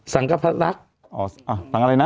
สังฆภัณฑ์หรืออะไร